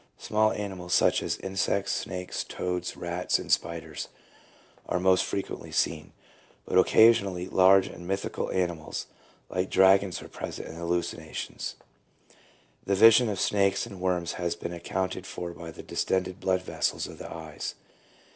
1 Small animals such as insects, snakes, toads, rats, and spiders are most frequently seen, but occasionally large and mythical animals, like dragons, are present in the hallucina tions. The vision of snakes and worms has been accounted for by the distended blood vessels of the eyes.